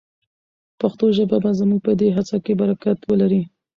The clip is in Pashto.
پښتو ژبه به زموږ په دې هڅه کې برکت ولري.